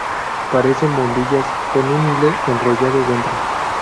Parecen bombillas con un hilo enrollado dentro.